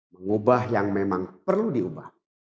mengubah yang memang perlu diubah